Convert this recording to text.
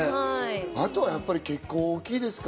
あとはやっぱり結婚は大きいですか？